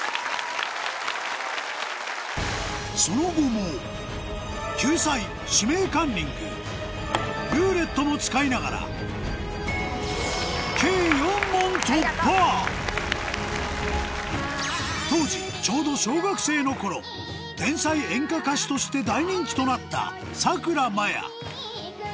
その後も救済も使いながら当時ちょうど小学生の頃天才演歌歌手として大人気となったさくらまや